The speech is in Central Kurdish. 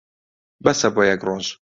بەسە بۆ یەک ڕۆژ.